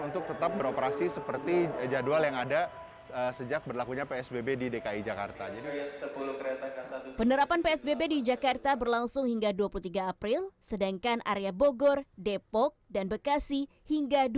terima kasih terima kasih terima kasih